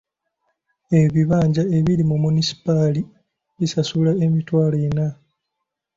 Ebibanja ebiri mu munisipaali bisasula emitwalo ena.